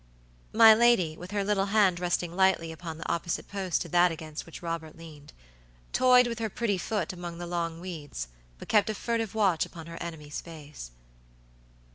My lady, with her little hand resting lightly upon the opposite post to that against which Robert leaned, toyed with her pretty foot among the long weeds, but kept a furtive watch upon her enemy's face.